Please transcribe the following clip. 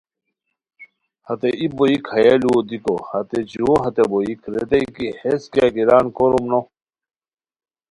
ہتے ای بوئیک ہیہ لو دیکو ہتے جوؤ ہتے بوئیک ریتائے کی ہیس کیہ گیران کوروم نو